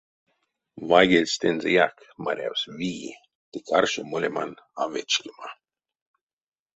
Вайгельстэнзэяк марявсь вий ды каршо молемань а вечкема.